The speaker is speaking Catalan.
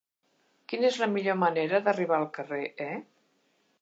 Quina és la millor manera d'arribar al carrer E?